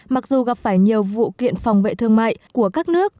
mặc dù gặp phải nhiều vụ kiện phòng vệ thương mại của các nước